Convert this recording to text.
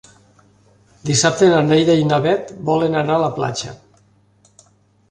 Dissabte na Neida i na Bet volen anar a la platja.